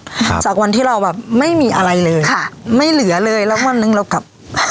ครับจากวันที่เราแบบไม่มีอะไรเลยค่ะไม่เหลือเลยแล้ววันหนึ่งเรากลับ